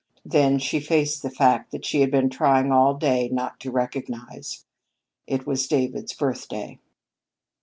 Then she faced the fact she had been trying all day not to recognize. It was David's birthday!